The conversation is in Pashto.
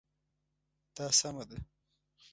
دا سمه ده